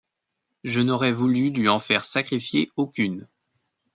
Je n’aurais voulu lui en faire sacrifier aucune.